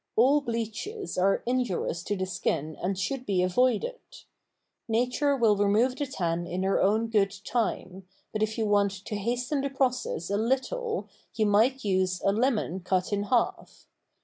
All bleaches are injurious to the skin and should be avoided. Nature will remove the tan in her own good time, but if you want to hasten the process a little you might use a lemon cut in half.